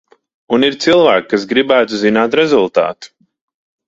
Un ir cilvēki, kas gribētu zināt rezultātu.